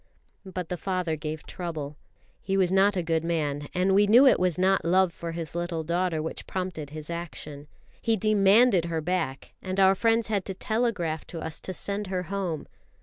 But the father gave trouble. He was not a good man, and we knew it was not love for his little daughter which prompted his action. He demanded her back, and our friends had to telegraph to us to send her home.